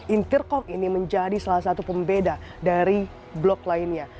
intercom ini menjadi salah satu pembeda dari blok lainnya